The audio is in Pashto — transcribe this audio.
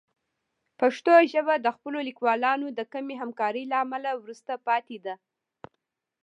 پښتو ژبه د خپلو لیکوالانو د کمې همکارۍ له امله وروسته پاتې ده.